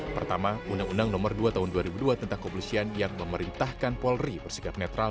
pertama undang undang nomor dua tahun dua ribu dua tentang kepolisian yang memerintahkan polri bersikap netral